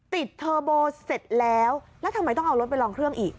เทอร์โบเสร็จแล้วแล้วทำไมต้องเอารถไปลองเครื่องอีก